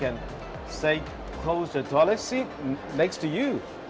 dan aku bisa menutupi toilet di sebelah kamu